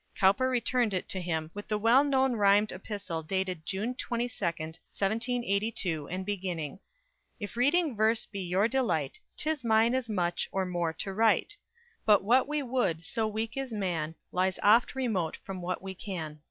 Cowper returned it to him with the well known rhymed epistle dated June 22, 1782, and beginning: _If reading verse be your delight, 'Tis mine as much, or more, to write; But what we would, so weak is man, Lies oft remote from what we can.